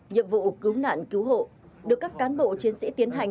nhiệm vụ cứu nạn cứu hộ được các cán bộ chiến sĩ tiến hành